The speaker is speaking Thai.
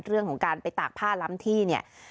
เรื่องของการไปตากผ้าล้ำที่เนี่ย